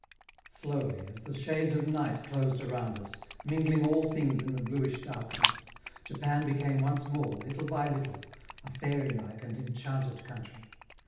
Slowly, as the shades of night closed around us, mingling all things in the bluish darkness, Japan became once more, little by little, a fairy like and enchanted country.